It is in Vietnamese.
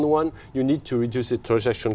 đó là lý do đầu tiên